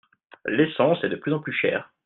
L'essence est de plus en plus chère.